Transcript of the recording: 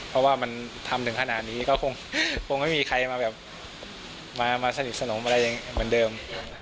เพราะว่ามันทำถึงขนาดนี้ก็คงไม่มีใครมาแบบมาสนิทสนมอะไรเหมือนเดิม